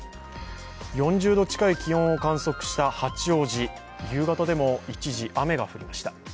４０度近い気温を観測していた八王子、夕方でも一時雨が降りました。